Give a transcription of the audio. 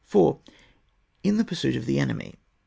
Inthepurstdt of the enemy.